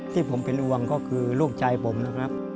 ที่ผมเป็นห่วงก็คือลูกชายผมนะครับ